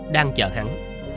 đang chờ hắn